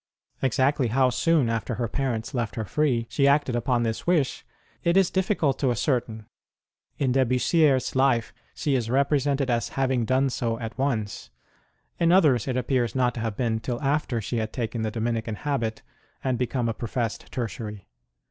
Exactly how soon, after her parents left her free, she acted upon this wish, it is difficult to ascer tain : in De Bussierre s life she is represented as having done so at once ; in others it appears not to have been till after she had taken the Domini can habit and become a professed Tertiary.